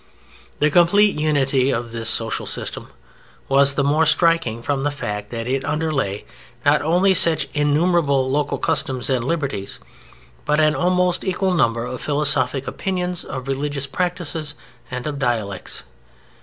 The complete unity of this social system was the more striking from the fact that it underlay not only such innumerable local customs and liberties, but an almost equal number of philosophic opinions, of religious practices, and of dialects.